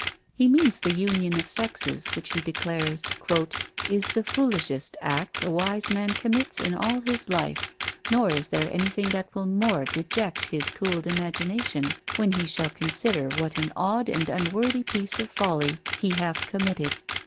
He means the union of sexes, which he declares, "is the foolishest act a wise man commits in all his life; nor is there anything that will more deject his cooled imagination, when he shall consider what an odd and unworthy piece of folly he hath committed."